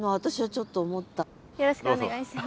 よろしくお願いします。